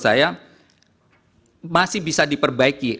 saya masih bisa diperbaiki